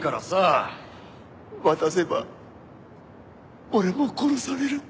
渡せば俺も殺される。